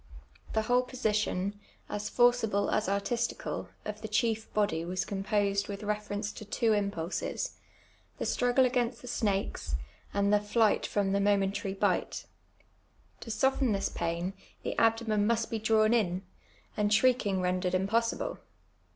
The whole position — as forcible as artL»itical^ of the chief body was composed with reference to two impulses — the strufrgle against the snakes, and the flight from the momentary* bite. To soften this pain, the abdomen must be drawn in, and shriek ing rendered impossible.